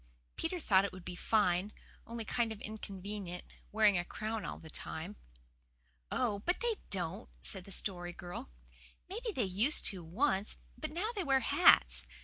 Peter thought it would be fine, only kind of inconvenient, wearing a crown all the time. "Oh, but they don't," said the Story Girl. "Maybe they used to once, but now they wear hats.